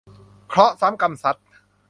เคราะห์ซ้ำกรรมซัด